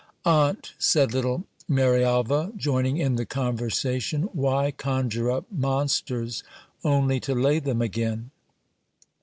Aunt, said little Marialva, joining in the conversation, why conjure up mon sters only to lay them again